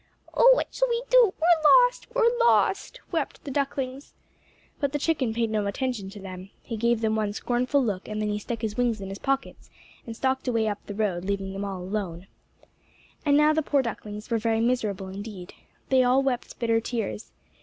"Oh, what shall we do! We're lost! We're lost!" wept the ducklings. But the chicken paid no attention to them. He gave them one scornful look, and then he stuck his wings in his pockets, and stalked away up the road, leaving them alone. And now the poor little ducklings were very miserable indeed. They all wept bitter tears.